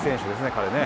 彼ね。